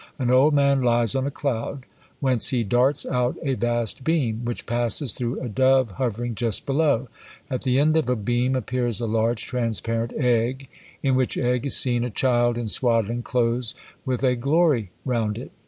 An old man lies on a cloud, whence he darts out a vast beam, which passes through a dove hovering just below; at the end of a beam appears a large transparent egg, in which egg is seen a child in swaddling clothes with a glory round it.